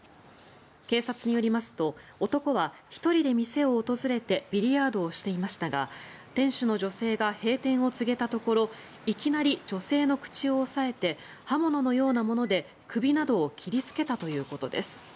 警察によりますと男は１人で店を訪れてビリヤードをしていましたが店主の女性が閉店を告げたところいきなり女性の口を押さえて刃物のようなもので首などを切りつけたということです。